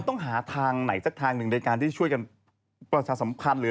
มันต้องหาทางไหนสักทางหนึ่งในการที่ช่วยกันประวัติศาสตร์สัมพันธ์เลย